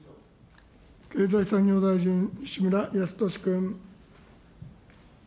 経済産業大臣、西村康稔君。